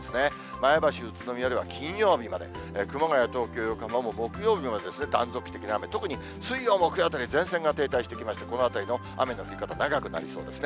前橋、宇都宮では金曜日まで、熊谷、東京、横浜も木曜日まで断続的な雨、特に水曜、木曜あたり、前線が停滞してきまして、このあたりの雨の降り方、長くなりそうですね。